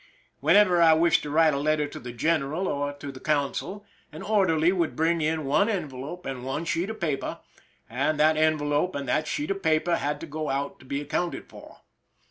Whenever I wished to write a letter to the general or to the consul, an orderly would bring in one envelop and one sheet of paper, and that envelop and that sheet of paper had to go out or be accounted for.